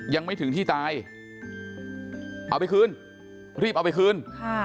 ยังไม่ถึงที่ตายเอาไปคืนรีบเอาไปคืน